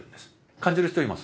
感じる人います？